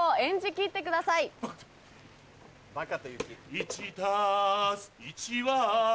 １＋１ は